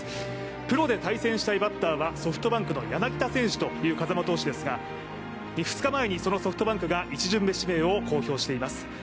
プロで対戦したいバッターはソフトバンクの柳田選手という風間投手ですが、２日前に、そのソフトバンクが１巡目指名を公表しています。